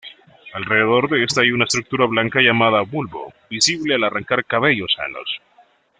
Alrededor de esta hay una estructura blanca llamada "bulbo", visible al arrancar cabellos sanos.